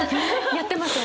やってます私。